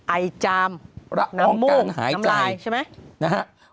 ไอจามน้ำมุกน้ำลายระองการหายใจใช่ไหม